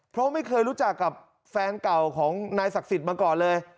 เพราะไม่เคยรู้จักกับแฟนเก่าของนายศักดิ์สิทธิ์มาก่อนเลย